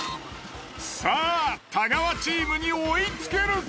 さあ太川チームに追いつけるか？